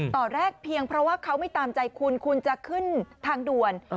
ตอนแรกเพียงเพราะว่าเขาไม่ตามใจคุณคุณจะขึ้นทางด่วน